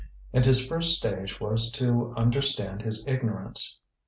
And his first stage was to understand his ignorance.